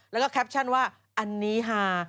แล้วก็แคปชั่นว่าอันนี้ฮา